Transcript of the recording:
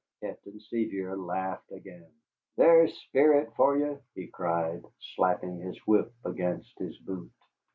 Captain Sevier laughed again. "There's spirit for you," he cried, slapping his whip against his boot.